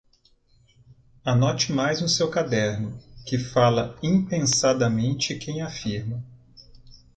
Anote mais no seu caderno: que fala impensadamente quem afirma